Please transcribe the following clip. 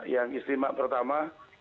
yang istimewa pertama